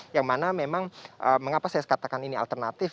yang mana memang mengapa saya katakan ini alternatif